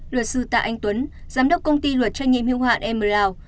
luật sư tạ anh tuấn giám đốc công ty luật tranh nhiệm hữu hạn emerald